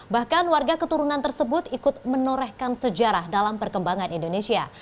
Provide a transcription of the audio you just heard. bahkan warga keturunan tersebut ikut menorehkan sejarah dalam perkembangan indonesia